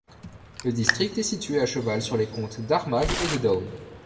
Le district est situé à cheval sur les comtés d'Armagh et de Down.